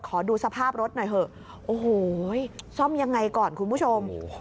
ขอดูสภาพรถหน่อยเถอะโอ้โหซ่อมยังไงก่อนคุณผู้ชม